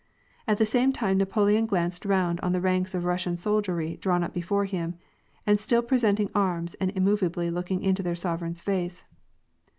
At the same time, Napoleon glanced round on the ranks of Russian soldiery drawn up before him, and still presenting arms and immovably looking into their sovereign's face.